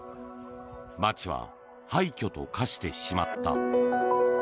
街は廃墟と化してしまった。